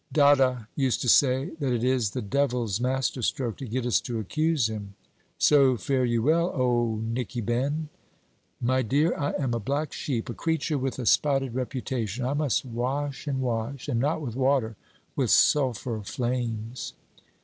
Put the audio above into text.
Dada used to say, that it is the devil's masterstroke to get us to accuse him. "So fare ye well, old Nickie Ben." My dear, I am a black sheep; a creature with a spotted reputation; I must wash and wash; and not with water with sulphur flames.'